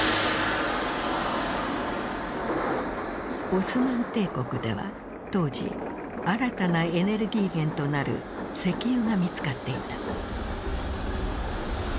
オスマン帝国では当時新たなエネルギー源となる石油が見つかっていた。